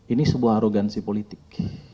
ini sebuah arogansi politik